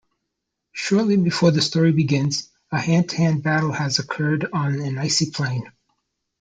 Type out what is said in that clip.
Shortly before the story begins, a hand-to-hand battle has occurred on an icy plain.